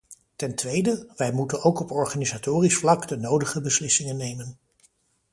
Ten tweede: wij moeten ook op organisatorisch vlak de nodige beslissingen nemen.